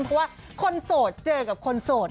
เพราะว่าคนโสดเจอกับคนโสด